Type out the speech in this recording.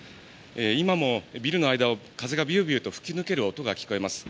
今もビルの間を風がビュービュー吹き抜ける音が聞こえます。